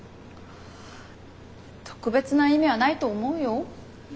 特別な意味はないと思うよ。